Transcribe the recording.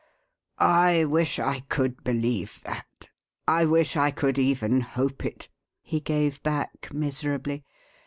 "I wish I could believe that, I wish I could even hope it," he gave back miserably.